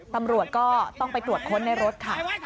ตำรวจก็ต้องไปตรวจค้นในรถค่ะ